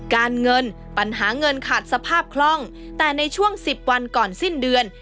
การเงินปัญหาเงินขาดสภาพคล่องแต่ในช่วง๑๐วันก่อนสิ้นเดือน